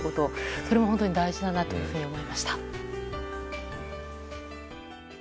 それは本当に大事だなと思いました。